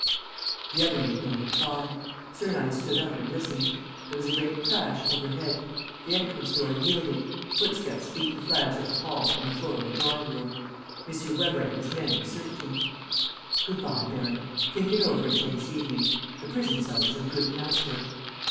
The other made no reply. Sernine stood up and listened. There was a great crash overhead. The entrance door yielded. Footsteps beat the flags of the hall and the floor of the drawing room. M. Weber and his men were searching. "Good bye, baron. Think it over until this evening. The prison cell is a good counsellor."